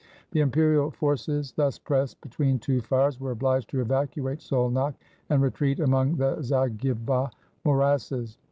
The imperial forces, thus pressed between two fires, were obliged to evacuate Szolnok, and retreat among the Zagyva morasses.